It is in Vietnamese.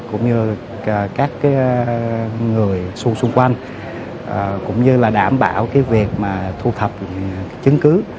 cũng như là các người xung quanh cũng như là đảm bảo việc thu thập chứng cứ